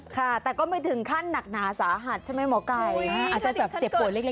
ค่ะแต่ก็มีถึงขั้นหนักหนาสาหรัฐใช่ไหมหมอก่ายอาจจะเป็นกวนเล็กน้อย